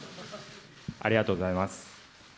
ありがとうございます。